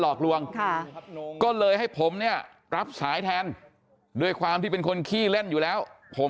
หลอกลวงก็เลยให้ผมเนี่ยรับสายแทนด้วยความที่เป็นคนขี้เล่นอยู่แล้วผม